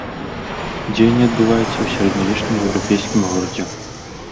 Дзеянне адбываецца ў сярэднявечным еўрапейскім горадзе.